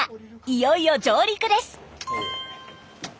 いよいよ上陸です。